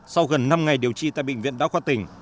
sau gần năm ngày điều trị tại bệnh viện đao khoa tỉnh